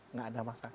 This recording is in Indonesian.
enggak ada masalah